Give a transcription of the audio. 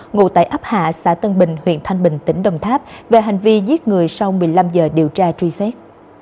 ngụ tại ấp hạ xã tân bình huyện thanh bình tỉnh đồng tháp về hành vi giết người sau một mươi năm giờ điều tra truy xét